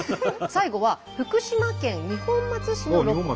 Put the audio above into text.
最後は福島県二本松市のロコ。